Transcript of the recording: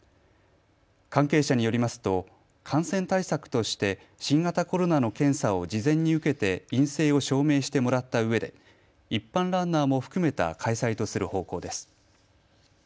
関係者によりますと感染対策として新型コロナの検査を事前に受けて陰性を証明してもらったうえで一般ランナーも含めた開催とする方向です。